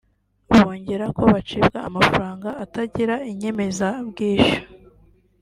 Bongeraho ko bacibwa amafaranga atagira inyemezabwishyu